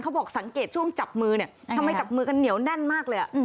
บอกสังเกตช่วงจับมือเนี่ยทำไมจับมือกันเหนียวแน่นมากเลย